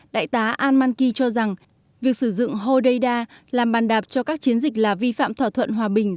đại tá al manki cho rằng việc sử dụng hodeida làm bàn đạp cho các chiến dịch là vi phạm thỏa thuận hòa bình